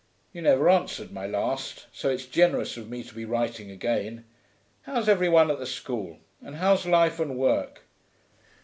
You never answered my last, so it's generous of me to be writing again. How's every one at the School, and how's life and work?